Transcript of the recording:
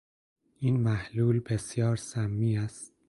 این محلول بسیار سمی است